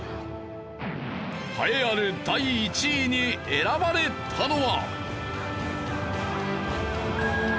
栄えある第１位に選ばれたのは。